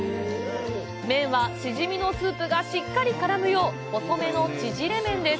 麺は、シジミのスープがしっかり絡むよう細めのちぢれ麺です。